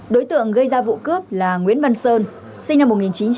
đối tượng gây ra vụ cướp là nguyễn văn sơn sinh năm một nghìn chín trăm tám mươi